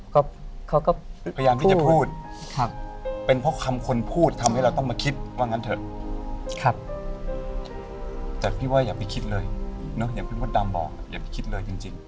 ก็เขาก็พยายามที่จะพูดเป็นเพราะคำคนพูดทำให้เราต้องมาคิดว่างั้นเถอะแต่พี่ว่าอย่าไปคิดเลยเนอะอย่างพี่มดดำบอกอย่าไปคิดเลยจริง